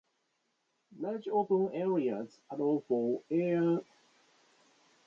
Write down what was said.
Large open areas allow for air assault operations to take off and land.